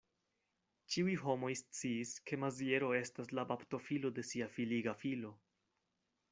Ĉiuj homoj sciis, ke Maziero estas la baptofilo de sia filiga filo.